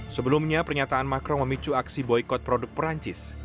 sebelumnya pernyataan macron memicu aksi boykot produk perancis